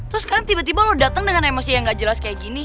terus sekarang tiba tiba lo datang dengan emosi yang gak jelas kayak gini